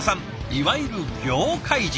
いわゆる業界人。